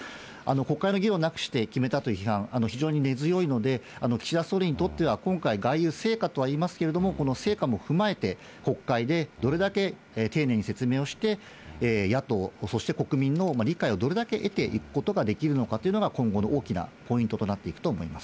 国会の議論なくして決めたという批判、非常に根強いので、岸田総理にとっては、今回、外遊成果とは言いますけれども、この成果も踏まえて、国会でどれだけ丁寧に説明をして、野党、そして国民の理解をどれだけ得ていくことができるのかということが、今後の大きなポイントとなっていくと思います。